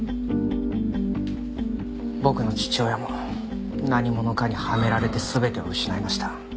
僕の父親も何者かにはめられて全てを失いました。